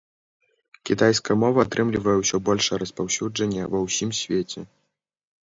Кітайская мова атрымлівае ўсё большае распаўсюджанне ва ўсім свеце.